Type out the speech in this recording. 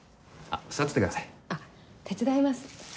あっ手伝います。